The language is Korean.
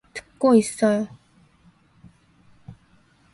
듣고 있어요.